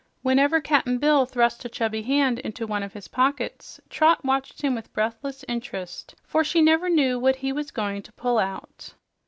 Whenever Cap'n Bill thrust a chubby hand into one of his pockets, Trot watched him with breathless interest, for she never knew what he was going to pull out.